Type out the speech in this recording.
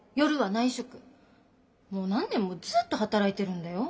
もう何年もずっと働いてるんだよ。